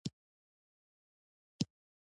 سلطان محمود زر طلاوو ژمنه کړې وه.